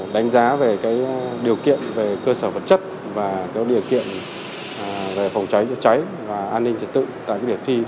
đánh giá về điều kiện về cơ sở vật chất và điều kiện về phòng cháy chữa cháy và an ninh trật tự tại điểm thi